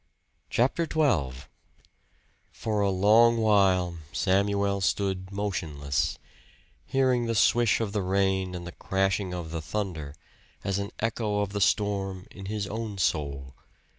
CHAPTER XII For a long while, Samuel stood motionless, hearing the swish of the rain and the crashing of the thunder as an echo of the storm in his own soul.